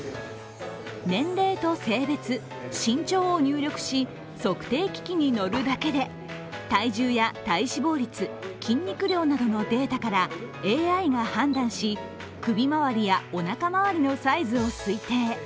年齢と性別、身長を入力し測定機器に乗るだけで体重や体脂肪率筋肉量などのデータからＡＩが判断し、首回りやおなか回りのサイズを推定。